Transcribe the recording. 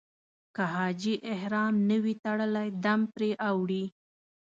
که حاجي احرام نه وي تړلی دم پرې اوړي.